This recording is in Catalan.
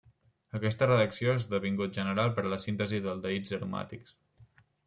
Aquesta reacció ha esdevingut general per a la síntesi d'aldehids aromàtics.